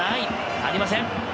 ありません。